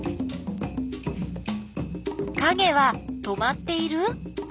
かげは止まっている？